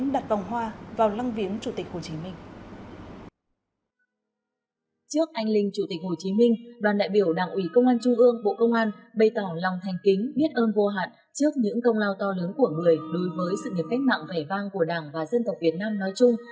đối với sự nghiệp cách mạng vẻ vang của đảng và dân tộc việt nam nói chung